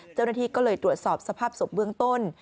เจ้าหน้าที่ก็เลยตรวจสอบสภาพศพเบื้องต้น